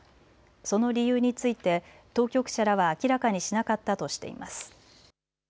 その理由について当局者らは明らかにしなかったとしています。